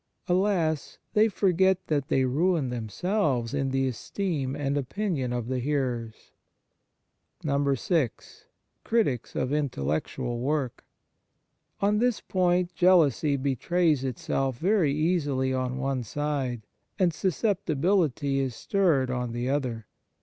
Alas ! they forget that they ruin themselves in the esteem and opinion of the hearers. (6) Critics of intellectual work. On this point jealousy betrays itself very easily on one side, and susceptibility is stirred on the other.